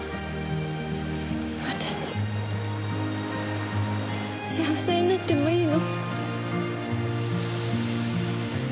私幸せになってもいいの？